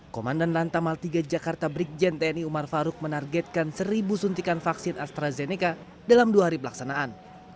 komandan lantamal tiga jakarta brikjen tni umar faruk menargetkan seribu suntikan vaksin astrazeneca dalam dua hari pelaksanaan